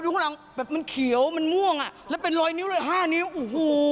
คนข้างหลังแบบมันเขียวมันม่วงและเป็นร้อยนิ้วห้านิ้วโอ้โฮ